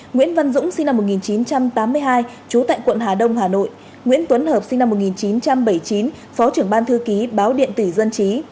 nguyễn văn dũng sinh năm một nghìn chín trăm tám mươi hai trú tại quận hà đông hà nội nguyễn tuấn hợp sinh năm một nghìn chín trăm bảy mươi chín phó trưởng ban thư ký báo điện tử dân trí